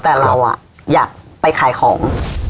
แต่เราอยากไปขายของ